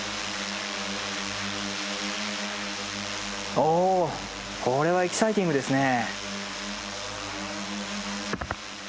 おおこれはエキサイティングですね。